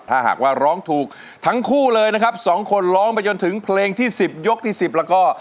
ถ้าหากว่าร้องถูกทั้งคู่เลยนะครับสองคนร้องไปจนถึงเพลงที่สิบยกที่สิบแล้วก็